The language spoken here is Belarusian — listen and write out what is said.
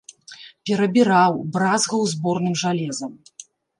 Перабіраў, бразгаў зборным жалезам.